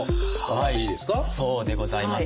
はいそうでございます。